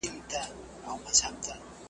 یو ثواب دی بل غذاب دی